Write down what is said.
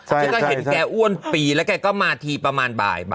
ซึ่งก็เห็นแกอ้วนปีแล้วแกก็มาทีประมาณบ่าย